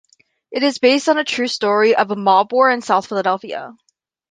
It is based on a true story of a mob war in South Philadelphia.